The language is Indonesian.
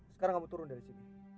sekarang kamu turun dari sini